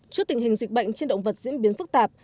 trước tình hình dịch bệnh trên động vật diễn biến phức tạp